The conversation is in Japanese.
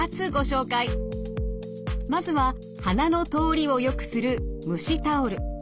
まずは鼻の通りをよくする蒸しタオル。